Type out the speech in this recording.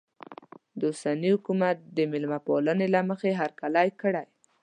د روسیې حکومت د مېلمه پالنې له مخې هرکلی کړی.